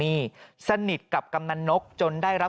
ปี๖๕วันเกิดปี๖๔ไปร่วมงานเช่นเดียวกัน